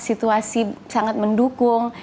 situasi sangat mendukung